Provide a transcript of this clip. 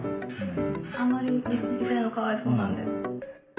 あんまり痛いのかわいそうなんで。